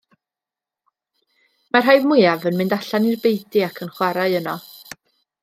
Mae'r rhai mwyaf yn mynd allan i'r beudy ac yn chwarae yno.